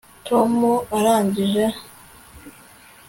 tom arangije